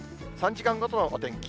３時間ごとのお天気。